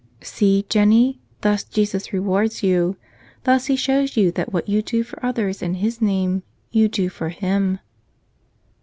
"See, Jennie, thus Jesus rewards you. Thus He shows you that what you do for others in His name you do for Him."